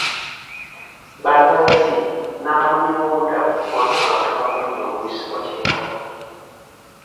Bannansi n'abanoonyiboobubudamu bonna bantu abagwanira okuyisibwa kyenkanyi.